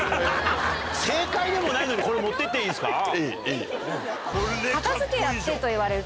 正解でもないのにこれ持ってっていいんですか？